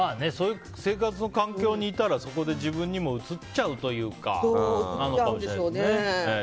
そういう生活の環境が似たらそこで自分にもうつっちゃうというか。